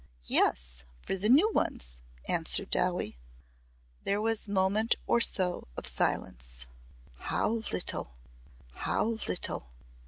"Yes. For the new ones," answered Dowie. There was moment or so of silence. "How little how little!"